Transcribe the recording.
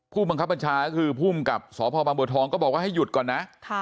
ผู้บังคับบัญชาคือผู้บังกับสพบทบูเฌิงให้หยุดก่อนนะ